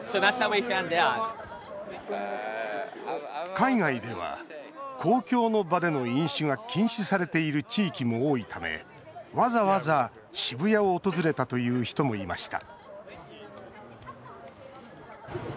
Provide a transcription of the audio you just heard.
海外では公共の場での飲酒が禁止されている地域も多いためわざわざ、渋谷を訪れたという人もいました